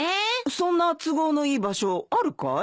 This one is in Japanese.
そんな都合のいい場所あるかい？